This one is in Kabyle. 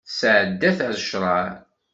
Tesɛedda-t ar ccṛeɛ.